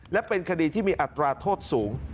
และเป็นคดีที่มีอัตราโทษสูง